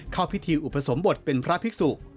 เข้าพิธีอุปสมบทเป็นพระภิกษุ